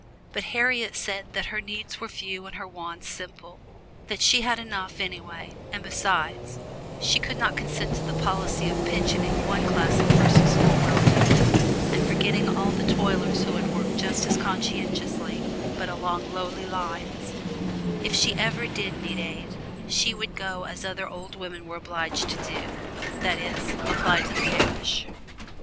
But Harriet said that her needs were few and her wants simple; that she had enough anyway, and besides, she could not consent to the policy of pensioning one class of persons for well doing and forgetting all the toilers who have worked just as conscientiously, but along lowly lines; if she ever did need aid, she would do as other old women were obliged to do, that is, apply to the parish.